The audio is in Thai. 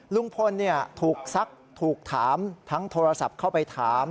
ลุงพลถูกซักถูกถามทั้งโทรศัพท์เข้าไปถาม